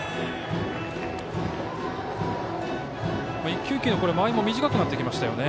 一球一球の間合いも短くなってきましたよね。